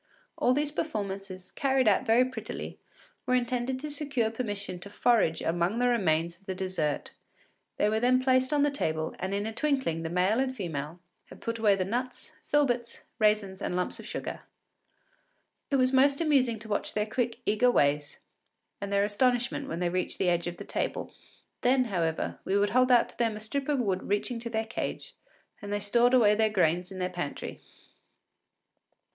All these performances, carried out very prettily, were intended to secure permission to forage among the remains of the dessert. They were then placed on the table, and in a twinkling the male and female had put away the nuts, filberts, raisins, and lumps of sugar. It was most amusing to watch their quick, eager ways, and their astonishment when they reached the edge of the table. Then, however, we would hold out to them a strip of wood reaching to their cage, and they stored away their gains in their pantry.